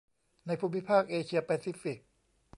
ในภูมิภาคเอเชียแปซิฟิก